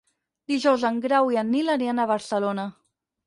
Dijous en Grau i en Nil aniran a Barcelona.